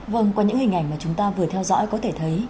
vâng qua những hình ảnh mà chúng ta vừa theo dõi có thể thấy